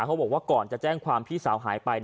เขาบอกว่าก่อนจะแจ้งความพี่สาวหายไป